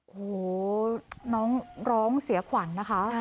โอ้โหน้องร้องเสียขวัญนะคะ